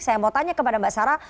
saya mau tanya kepada mbak sarah